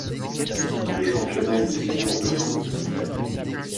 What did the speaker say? Le championnat est divisé en deux poules.